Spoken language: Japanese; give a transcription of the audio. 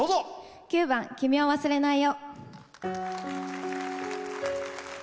９番「キミを忘れないよ」。